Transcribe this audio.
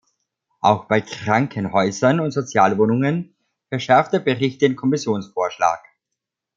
Auch bei Krankenhäusern und Sozialwohnungen verschärft der Bericht den Kommissionsvorschlag.